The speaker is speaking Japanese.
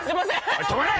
おい止まれ！